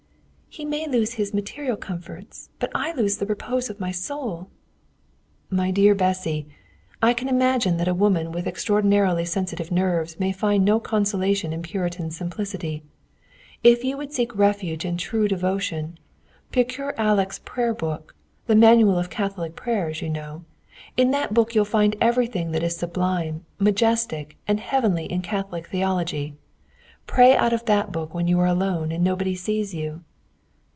"He may lose his material comforts, but I lose the repose of my soul." "My dear Bessy, I can imagine that a woman with extraordinarily sensitive nerves may find no consolation in Puritan simplicity. If you would seek refuge in true devotion, procure Allach's prayer book the manual of Catholic prayers, you know. In that book you'll find everything that is sublime, majestic, and heavenly in Catholic theology. Pray out of that book when you are alone and nobody sees you."